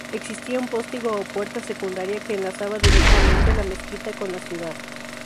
Existía un postigo o puerta secundaria que enlazaba directamente la mezquita con la ciudad.